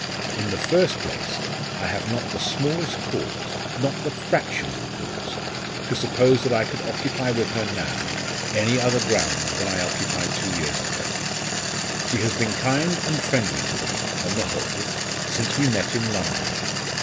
In the first place I have not the smallest cause not the fraction of a cause to suppose that I could occupy with her now any other ground than that I occupied two years ago. She has been kind and friendly to me on the whole since we met in London.